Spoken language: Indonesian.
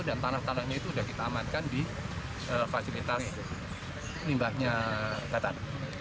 dan tanah tanahnya itu sudah kita amankan di fasilitas limbahnya batan